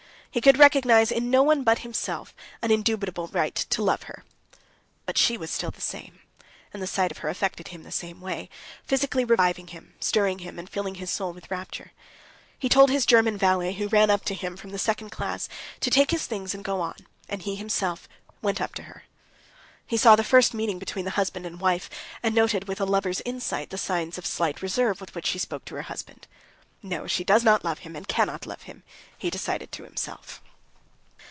He could recognize in no one but himself an indubitable right to love her. But she was still the same, and the sight of her affected him the same way, physically reviving him, stirring him, and filling his soul with rapture. He told his German valet, who ran up to him from the second class, to take his things and go on, and he himself went up to her. He saw the first meeting between the husband and wife, and noted with a lover's insight the signs of slight reserve with which she spoke to her husband. "No, she does not love him and cannot love him," he decided to himself.